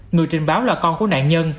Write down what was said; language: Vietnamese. người trình báo là con của nạn nhân